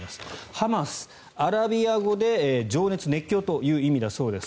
ハマス、アラビア語で情熱、熱狂という意味だそうです。